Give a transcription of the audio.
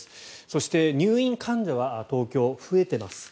そして、入院患者は東京、増えています。